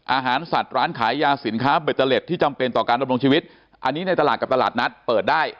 อาหารสัตว์ร้านขายยาสินค้าเบตเตอร์เล็ตที่จำเป็นต่อการดำรงชีวิตอันนี้ในตลาดกับตลาดนัดเปิดได้